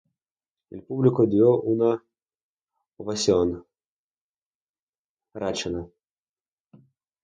El público dio una ovación Rachelle.